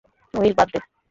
Will, বাদ দে!